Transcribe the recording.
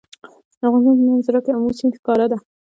د افغانستان په منظره کې آمو سیند ښکاره ده.